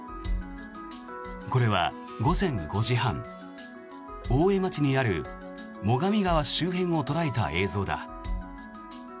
これは午前５時半大江町にある最上川周辺を捉えた映像だ。